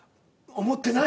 思ってない！